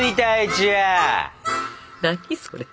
何それ？